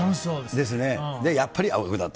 で、やっぱり青学だと。